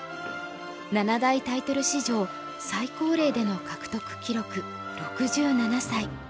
七大タイトル史上最高齢での獲得記録６７歳。